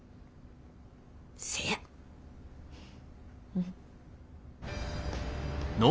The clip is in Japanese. うん。